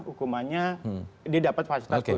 hukumannya didapat fasilitas khusus